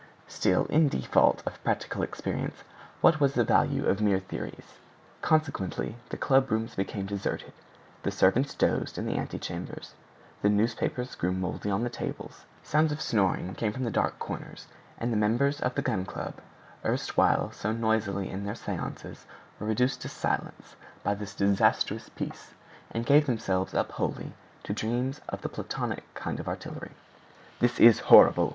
Still in default of practical experience what was the value of mere theories? Consequently, the clubrooms became deserted, the servants dozed in the antechambers, the newspapers grew mouldy on the tables, sounds of snoring came from dark corners, and the members of the Gun Club, erstwhile so noisy in their seances, were reduced to silence by this disastrous peace and gave themselves up wholly to dreams of a Platonic kind of artillery. "This is horrible!"